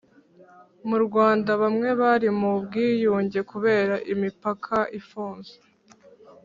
Mu Rwanda bamwe bari mu bwigunge kubera imipaka ifunze